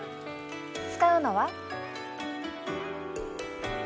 使うのは。